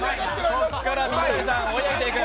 ここから水谷さん追い上げていく。